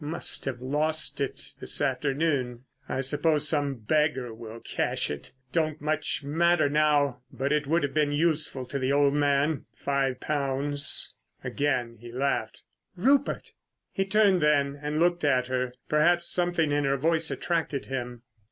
Must have lost it this afternoon. I suppose some beggar will cash it. Don't much matter now, but it would have been useful to the old man: five pounds——" Again he laughed. "Rupert!" He turned then and looked at her. Perhaps something in her voice attracted him.